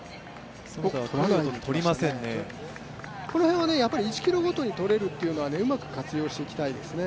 この辺は１ｋｍごとに取れるっていうのはうまく活用していきたいですね。